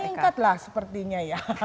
meningkat lah sepertinya ya